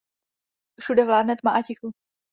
Všude vládne tma a ticho.